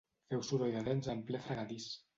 Feu soroll de dents en ple fregadís.